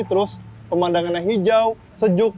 terus pemandangannya hijau sejuk